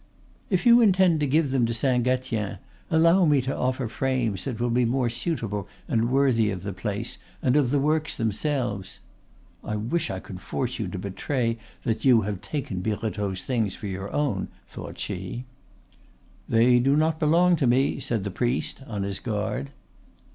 "If you intend to give them to Saint Gatien, allow me to offer frames that will be more suitable and worthy of the place, and of the works themselves." ("I wish I could force you to betray that you have taken Birotteau's things for your own," thought she.) "They do not belong to me," said the priest, on his guard.